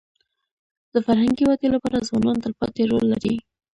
د فرهنګي ودې لپاره ځوانان تلپاتې رول لري.